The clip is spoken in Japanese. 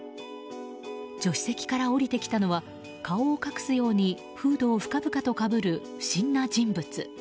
助手席から降りてきたのは顔を隠すようにフードを深々とかぶる不審な人物。